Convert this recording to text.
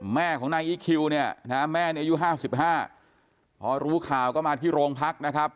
แม่ของนายอีคิวเนี่ยนะฮะแม่เนี่ยอายุ๕๕พอรู้ข่าวก็มาที่โรงพักนะครับ